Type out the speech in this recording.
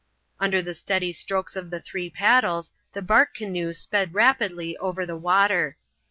Under the steady strokes of the three paddles the bark canoe sped rapidly over the water.